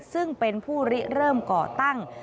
ซึ่งเป็นผู้ริเริ่มก่อตั้ง